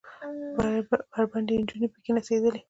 بربنډې نجونې پکښې نڅېدلې.